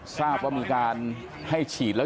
ทราบว่ามีการให้ฉีดแล้ว